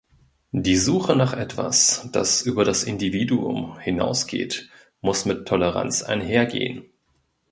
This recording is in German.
Die Suche nach etwas, das über das Individuum hinausgeht, muss mit Toleranz einhergehen.